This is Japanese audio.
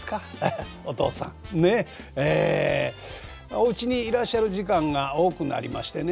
おうちにいらっしゃる時間が多くなりましてね